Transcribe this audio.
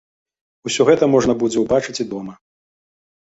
Усё гэта можна будзе ўбачыць і дома.